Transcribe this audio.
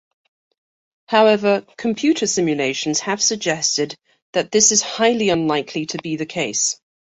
However, computer simulations have suggested that this is highly unlikely to be the case.